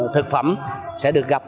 thực phẩm sẽ được gặp